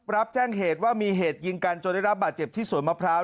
รับแจ้งเหตุว่ามีเหตุยิงกันจนได้รับบาดเจ็บที่สวนมะพร้าว